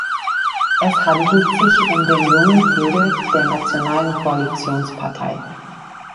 Es handelt sich um den jungen Flügel der nationalen Koalitionspartei.